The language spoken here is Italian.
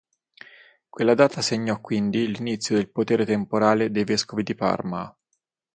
Quella data segnò quindi l'inizio del potere temporale dei vescovi di Parma.